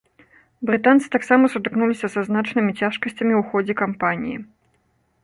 Брытанцы таксама сутыкнуліся са значнымі цяжкасцямі ў ходзе кампаніі.